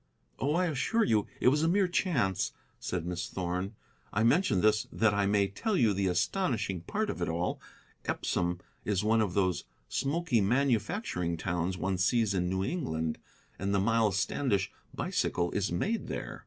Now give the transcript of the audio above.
"Oh, I assure you it was a mere chance," said Miss Thorn. "I mention this that I may tell you the astonishing part of it all. Epsom is one of those smoky manufacturing towns one sees in New England, and the 'Miles Standish' bicycle is made there.